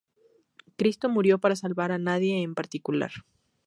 Cristo murió para salvar a nadie en particular.